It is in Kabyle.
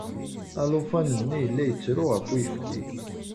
Alufan-nni yella yettru ɣef uyefki.